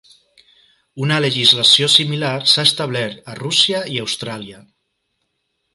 Una legislació similar s'ha establert a Rússia i Austràlia.